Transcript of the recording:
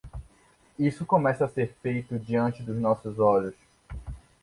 Isso começa a ser feito diante dos nossos olhos.